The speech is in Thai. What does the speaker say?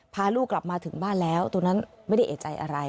พาลูกกลับมาถึงบ้านแล้วตอนนั้นไม่ได้เอกใจอะไร